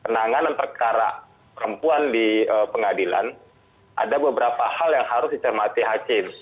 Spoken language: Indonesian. penanganan perkara perempuan di pengadilan ada beberapa hal yang harus dicermati hakim